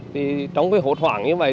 thì trong cái hỗn hoảng như vậy